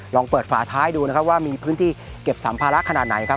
ลองเปิดฝาท้ายดูนะครับว่ามีพื้นที่เก็บสัมภาระขนาดไหนครับ